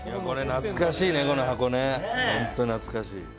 これ懐かしいねこの箱ねホント懐かしい。